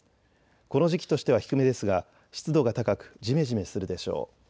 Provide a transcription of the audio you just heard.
この時期としては低めですが湿度が高くじめじめするでしょう。